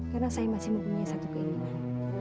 karena saya masih mempunyai satu keinginan